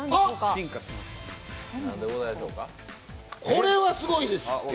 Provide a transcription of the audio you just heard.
これはすごいです。